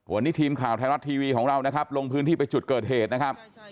วันนี้ทีมข่าวไทยรัฐทีวีของเรานะครับลงพื้นที่ไปจุดเกิดเหตุนะครับ